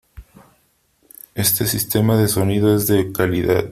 Este sistema de sonido es de calidad .